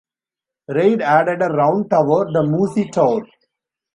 Reid added a round tower, the Moosie Toor.